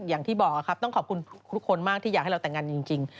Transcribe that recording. อย่างที่บอกครับต้องขอบคุณทุกคนมากที่อยากให้เราแต่งงานจริง